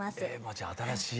じゃあ新しい。